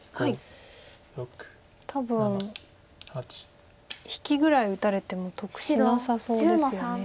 多分引きぐらい打たれても得しなさそうですよね。